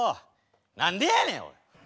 何でやねんおい！